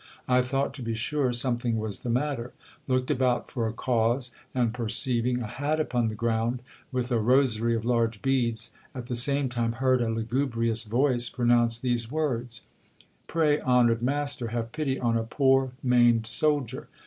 I thought, to be sure, something was the matter ; looked about for a cause, and perceiving a hat upon the ground, with a rosary of large beads, at the same time heard a lugubrious voice pronounce these words : Pray, honoured master, have pity on a poor maimed soldier